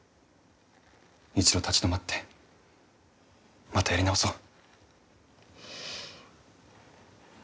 一度立ち止まってまたやり直そう。